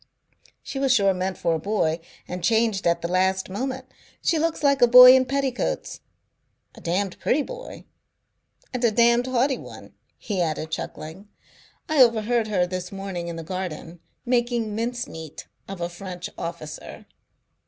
"She was sure meant for a boy and changed at the last moment. She looks like a boy in petticoats, a damned pretty boy and a damned haughty one," he added, chuckling. "I overheard her this morning, in the garden, making mincemeat of a French officer."